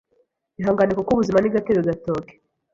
Ihangane kuko ubuzima ni gatebe gatoke